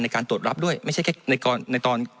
ในการตรวจรับด้วยไม่ใช่แค่ในตอน